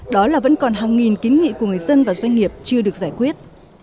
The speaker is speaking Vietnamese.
đó là vẫn còn hàng nghìn kiến nghị của người dân và doanh nghiệp chưa được giải quyết